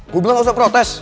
gue bilang gak usah protes